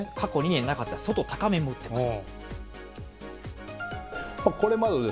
過去２年なかった外、高めを打ってます。